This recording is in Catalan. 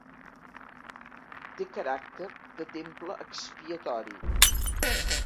Té caràcter de temple expiatori.